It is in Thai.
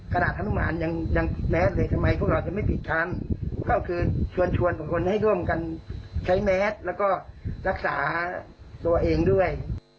ขนาดฮนุมานยังแมสเลยทำไมพวกเราจะไม่ปิดทำก็คือชวนบุคคลให้ร่วมกันใช้แมสแล้วก็รักษาตัวเองด้วย